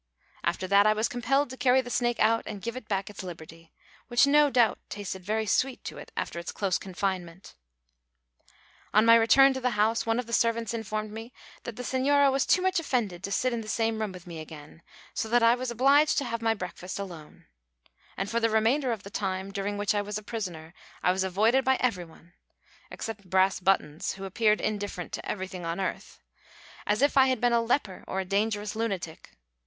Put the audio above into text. After that I was compelled to carry the snake out and give it back its liberty, which no doubt tasted very sweet to it after its close confinement. On my return to the house, one of the servants informed me that the señora was too much offended to sit in the same room with me again, so that I was obliged to have my breakfast alone; and for the remainder of the time during which I was a prisoner I was avoided by everyone (except Brass Buttons, who appeared indifferent to everything on earth), as if I had been a leper or a dangerous lunatic.